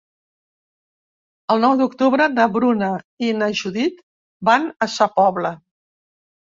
El nou d'octubre na Bruna i na Judit van a Sa Pobla.